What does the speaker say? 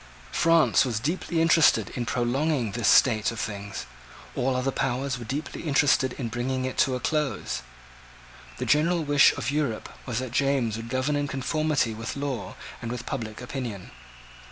France was deeply interested in prolonging this state of things. All other powers were deeply interested in bringing it to a close. The general wish of Europe was that James would govern in conformity with law and with public opinion.